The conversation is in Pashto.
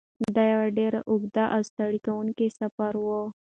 دا یو ډېر اوږد او ستړی کوونکی سفر و.